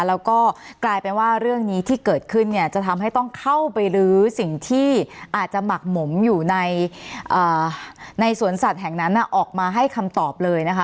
แล้วก็กลายเป็นว่าเรื่องนี้ที่เกิดขึ้นเนี่ยจะทำให้ต้องเข้าไปลื้อสิ่งที่อาจจะหมักหมมอยู่ในสวนสัตว์แห่งนั้นออกมาให้คำตอบเลยนะคะ